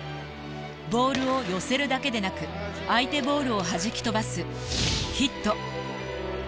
ボールを寄せるだけでなく相手ボールをはじき飛ばすヒット。